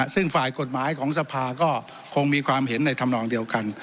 ซึ่งฝ่ายกฎหมายของสภาก็คงมีความเห็นในธรรมนองเดียวกัน